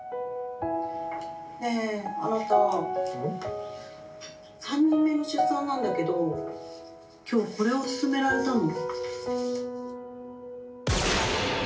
「ねえあなた３人目の出産なんだけど今日これを勧められたの」。